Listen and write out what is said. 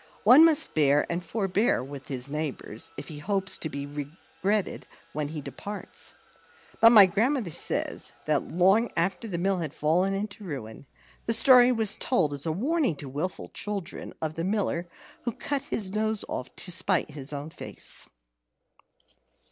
One must bear and forbear with his neighbours, if he hopes to be regretted when he departs. But my grandmother says that long after the mill had fallen into ruin, the story was told as a warning to wilful children of the Miller who cut off his nose to spite his own face.